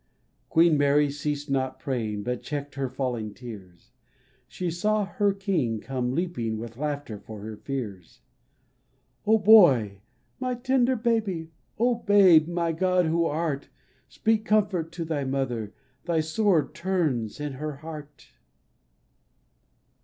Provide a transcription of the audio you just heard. Queen Mary ceased not praying But checked her falling tears : She saw her King come leaping With laughter for her fears. " O Boy, my tender baby, O Babe, my God who art, Speak comfort to thy Mother, Thy sword turns in her heart